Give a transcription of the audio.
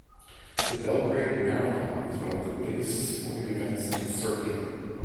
The Belgrade Marathon is one of the biggest sporting events in Serbia.